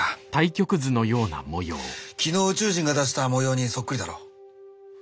昨日宇宙人が出した模様にそっくりだろ。